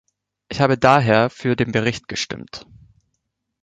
Ich habe daher für den Bericht gestimmt.